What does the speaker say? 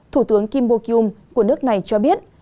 thủ tướng kim bo kyum của nước này cho biết